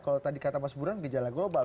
kalau tadi kata mas burhan kejalan global